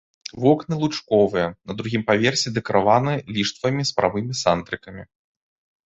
Вокны лучковыя, на другім паверсе дэкарыраваны ліштвамі з прамымі сандрыкамі.